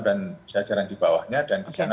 dan jajaran di bawahnya dan di sana